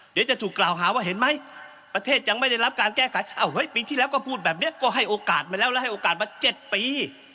เดี๋ยวจะถูกกล่าวหาว่าเห็นไหมประเทศยังไม่ได้รับการแก้ไขปีที่แล้วก็พูดแบบนี้ก็ให้โอกาสมาแล้วแล้วให้โอกาสมา๗ปี